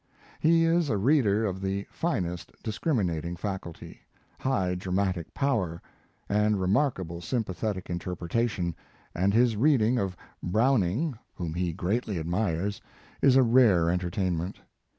He is a reader of the finest discriminating faculty, high dramatic power, and remarkable sympathetic interpretation, and his read ing of Browning, whom he greatly ad His Life and Work. mires, is a rare entertainment.